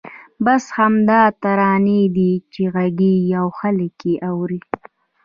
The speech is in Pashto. بس همدا ترانې دي چې غږېږي او خلک یې اوري.